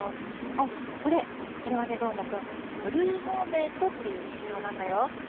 あっ、これ、これはどーもくん、ブルーモーメントっていう現象なんだよ。